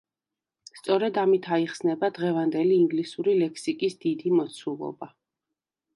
სწორედ ამით აიხსნება დღევანდელი ინგლისური ლექსიკის დიდი მოცულობა.